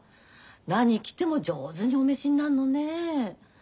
何着ても上手にお召しになるのね。